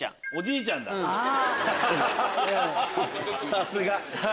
さすが！